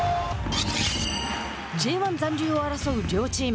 Ｊ１残留を争う両チーム。